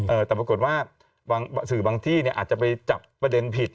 แต่ปรากฏว่าบางสื่อบางที่เนี่ยอาจจะไปจับประเด็นผิด